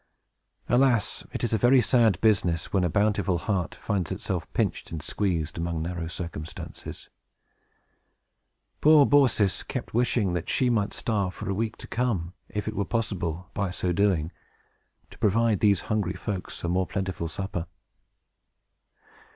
Alas! it is a very sad business, when a bountiful heart finds itself pinched and squeezed among narrow circumstances. Poor Baucis kept wishing that she might starve for a week to come, if it were possible, by so doing, to provide these hungry folks a more plentiful supper.